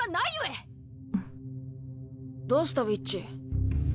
どうしたウィッチ。